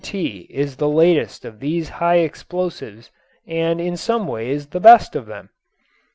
P.A. TNT is the latest of these high explosives and in some ways the best of them.